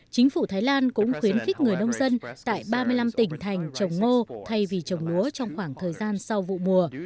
chính phủ thái lan cũng khuyến khích người nông dân tại ba mươi năm tỉnh thành trồng ngô thay vì trồng lúa trong khoảng thời gian sau vụ mùa